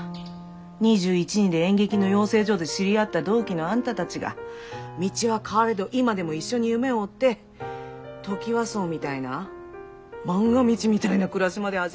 ２１２２で演劇の養成所で知り合った同期のあんたたちが道は変われど今でも一緒に夢を追ってトキワ荘みたいな「まんが道」みたいな暮らしまで始めてさ。